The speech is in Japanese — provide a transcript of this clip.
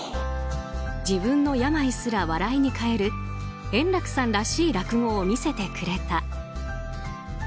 自分の病すら笑いに変える円楽さんらしい落語を見せてくれた。